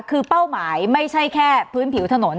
คือเป้าหมายไม่ใช่แค่พื้นผิวถนน